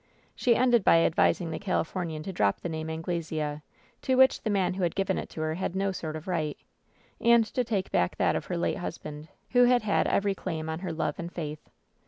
She ended by advising the Califomian to drop the name of Angle sea, to which the man who had given it to her had no sort of right, and to take back that of her late husband, who had had every claim on her love and faith.